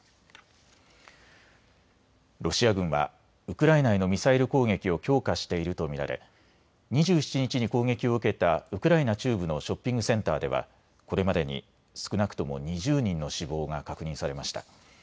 ロシア軍はウクライナへのミサイル攻撃を強化していると見られ２７日に攻撃を受けたウクライナ中部のショッピングセンターではこれまでに少なくとも２０人の死亡が確認されました。